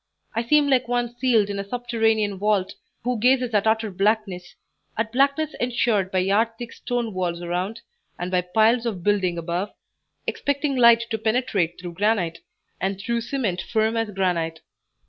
I seemed like one sealed in a subterranean vault, who gazes at utter blackness; at blackness ensured by yard thick stone walls around, and by piles of building above, expecting light to penetrate through granite, and through cement firm as granite.